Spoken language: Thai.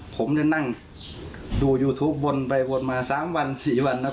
ผมจะนั่งดูยูทูปบนไปบนมา๓วัน๔วันนะครับ